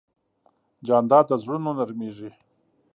جانداد د زړونو نرمیږي.